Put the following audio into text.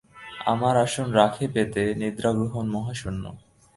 আমার আসন রাখে পেতে নিদ্রাগহন মহাশূন্য।